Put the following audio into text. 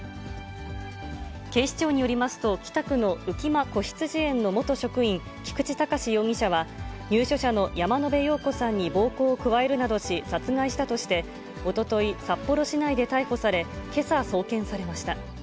警視庁によりますと、北区の浮間こひつじ園の元職員、菊池隆容疑者は、入所者の山野辺陽子さんに暴行を加えるなどし殺害したとして、おととい札幌市内で逮捕され、けさ送検されました。